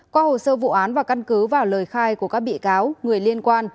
qua hồ sơ vụ án và căn cứ vào lời khai của các bị cáo người liên quan